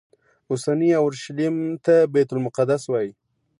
اوسني اورشلیم ته بیت المقدس وایي.